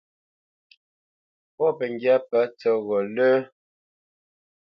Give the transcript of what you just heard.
Pɔ̂ pəŋgyá pə̂ tsəghó lə́.